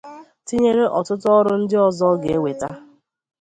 tinyere ọtụtụ uru ndị ọzọ ọ ga-eweta.